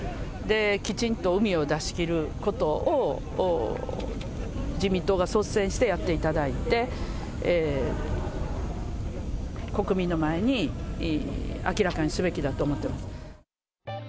きちんとうみを出し切ることを、自民党が率先してやっていただいて、国民の前に明らかにすべきだと思っています。